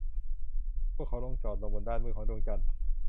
พวกเขาลงจอดลงบนด้านมืดของดวงจันทร์